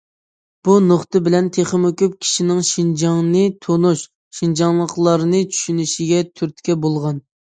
بۇ نۇتقى بىلەن تېخىمۇ كۆپ كىشىنىڭ شىنجاڭنى تونۇش، شىنجاڭلىقلارنى چۈشىنىشىگە تۈرتكە بولغان.